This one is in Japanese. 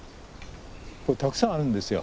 これたくさんあるんですよ。